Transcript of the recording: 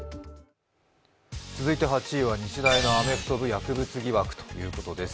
続いて８位は日大アメフト部薬物疑惑ということです。